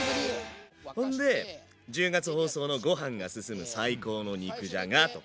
ほんで１０月放送のご飯が進む最高の肉じゃがとか。